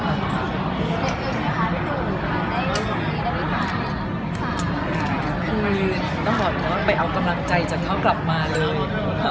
คือต้องบอกเลยว่าไปเอากำลังใจจากเขากลับมาเลย